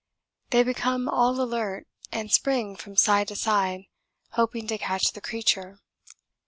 They become all alert and spring from side to side, hoping to catch the creature.